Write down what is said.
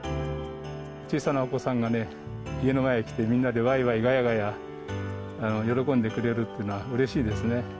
小さなお子さんがね、家の前に来て、みんなでわいわいがやがや、喜んでくれるっていうのはうれしいですね。